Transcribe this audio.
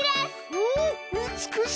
おおうつくしい！